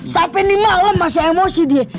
sampe ini malem masih emosi dia